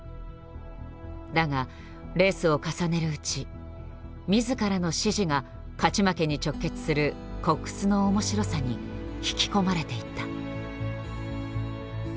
だがレースを重ねるうち自らの指示が勝ち負けに直結するコックスの面白さに引き込まれていった。